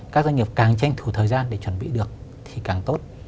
các doanh nghiệp càng tranh thủ thời gian để chuẩn bị được thì càng tốt